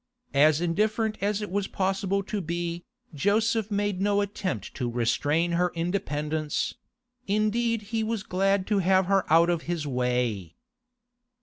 As indifferent as it was possible to be, Joseph made no attempt to restrain her independence; indeed he was glad to have her out of his way.